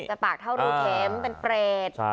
ปากเท่ารูเข็มเป็นเปรต